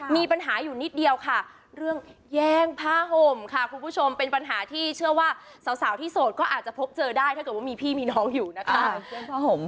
มีปัญหาอยู่นิดเดียวค่ะเรื่องแย่งผ้าห่มค่ะคุณผู้ชมเป็นปัญหาที่เชื่อว่าสาวที่โสดก็อาจจะพบเจอได้ถ้าเกิดว่ามีพี่มีน้องอยู่นะคะ